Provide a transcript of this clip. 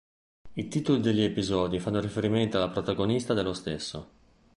I titoli degli episodi fanno riferimento alla protagonista dello stesso.